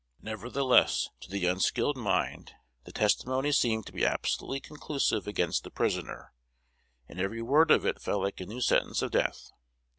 Nevertheless, to the unskilled mind, the testimony seemed to be absolutely conclusive against the prisoner, and every word of it fell like a new sentence of death.